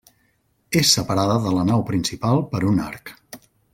És separada de la nau principal per un arc.